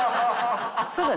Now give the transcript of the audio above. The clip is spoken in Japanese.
そうだね。